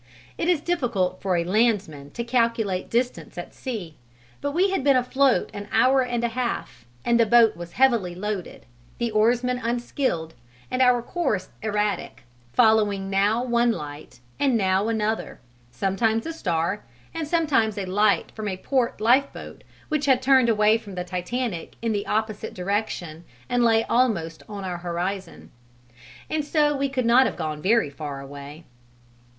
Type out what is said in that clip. It is difficult for a landsman to calculate distance at sea but we had been afloat an hour and a half, the boat was heavily loaded, the oarsmen unskilled, and our course erratic: following now one light and now another, sometimes a star and sometimes a light from a port lifeboat which had turned away from the Titanic in the opposite direction and lay almost on our horizon; and so we could not have gone very far away.